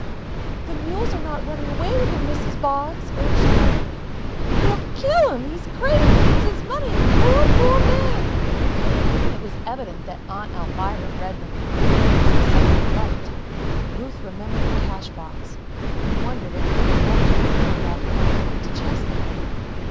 "The mules are not running away with him, Mrs. Boggs," urged Helen. "They'll kill him! He's crazy! It's his money the poor, poor man!" It was evident that Aunt Alvirah read the miller's excitement aright. Ruth remembered the cash box and wondered if it had been left in the mill while her uncle went to Cheslow?